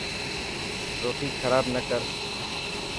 روٽي خراب نه ڪر.